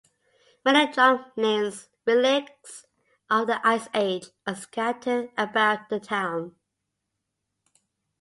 Many drumlins, relics of the Ice Age, are scattered about the town.